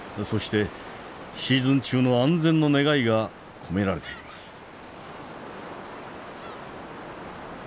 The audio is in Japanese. そしてシ−ズン中の安全の願いが込められています。